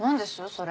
それ。